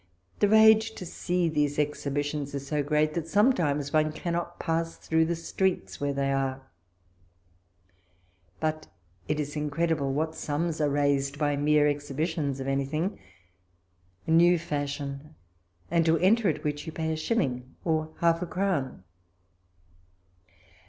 The rage to see these exhibi tions is so great, that sometimes one cannot pass through the streets where they are. But it is incredible what sums are raised by mei'e exhibi tions of anything ; a new fashion, and to enter at which you pay a shilling or half a crown.